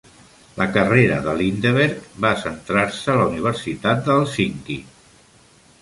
La carrera de Lindeberg va centrar-se a la Universitat de Helsinki.